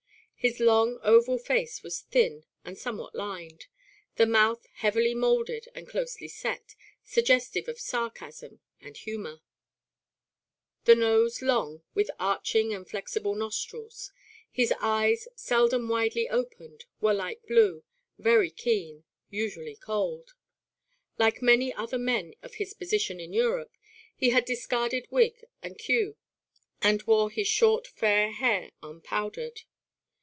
His long oval face was thin and somewhat lined, the mouth heavily moulded and closely set, suggestive of sarcasm and humor; the nose long, with arching and flexible nostrils. His eyes, seldom widely opened, were light blue, very keen, usually cold. Like many other men of his position in Europe, he had discarded wig and queue and wore his short fair hair unpowdered.